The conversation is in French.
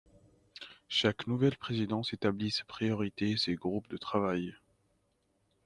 Chaque nouvelle présidence établit ses priorités et ses groupes de travail.